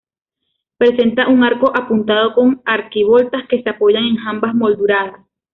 Presenta un arco apuntado, con arquivoltas que se apoyan en jambas molduradas.